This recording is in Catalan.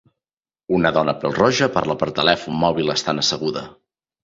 Una dona pel-roja parla per telèfon mòbil estan asseguda.